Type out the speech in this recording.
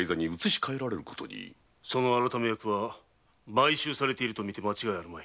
その「改め役」は買収されているとみて間違いあるまい。